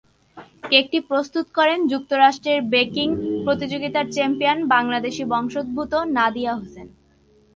কেকটি প্রস্তুত করেন যুক্তরাজ্যের বেকিং প্রতিযোগিতার চ্যাম্পিয়ন বাংলাদেশি বংশোদ্ভূত নাদিয়া হোসেন।